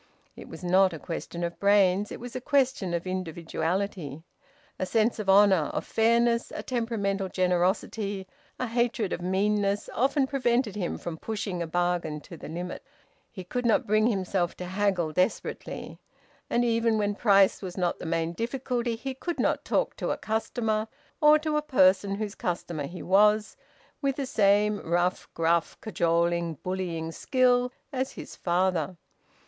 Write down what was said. It was not a question of brains; it was a question of individuality. A sense of honour, of fairness, a temperamental generosity, a hatred of meanness, often prevented him from pushing a bargain to the limit. He could not bring himself to haggle desperately. And even when price was not the main difficulty, he could not talk to a customer, or to a person whose customer he was, with the same rough, gruff, cajoling, bullying skill as his father.